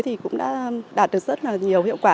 thì cũng đã đạt được rất là nhiều hiệu quả